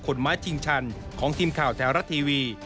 ไม้ชิงชันของทีมข่าวแท้รัฐทีวี